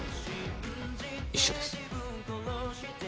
一緒です。